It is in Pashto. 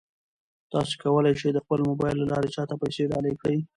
تاسو کولای شئ د خپل موبایل له لارې چا ته پیسې ډالۍ کړئ.